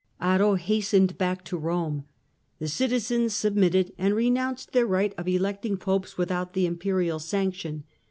Otto hastened back to Eome. The citizens submitted, and renounced their right of electing Popes without the imperial sanction.